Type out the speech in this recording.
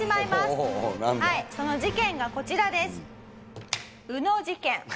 はいその事件がこちらです。